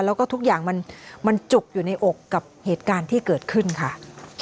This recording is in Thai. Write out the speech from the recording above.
แล้วก็ทุกอย่างมันจุกอยู่ในอกกับเหตุการณ์ที่เกิดขึ้นค่ะ